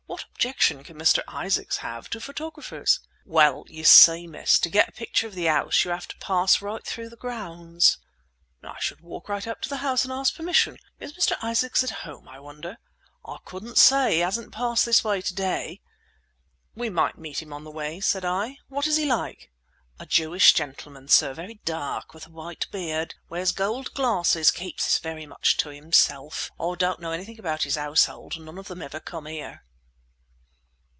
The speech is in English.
What objection can Mr. Isaacs have to photographers?" "Well, you see, miss, to get a picture of the house, you have to pass right through the grounds." "I should walk right up to the house and ask permission. Is Mr. Isaacs at home, I wonder?" "I couldn't say. He hasn't passed this way to day." "We might meet him on the way," said I. "What is he like?" "A Jewish gentleman sir, very dark, with a white beard. Wears gold glasses. Keeps himself very much to himself. I don't know anything about his household; none of them ever come here."